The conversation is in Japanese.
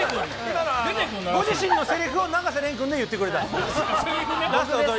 今のはご自身のせりふを永瀬君で言ってくれた。